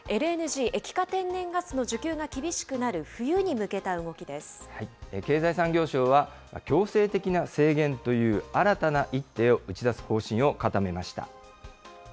ＬＮＧ・液化天然ガスの需給が厳経済産業省は、強制的な制限という新たな一手を打ち出す方針を固めました。